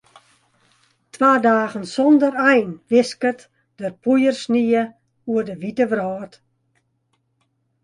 Twa dagen sonder ein wisket der poeiersnie oer de wite wrâld.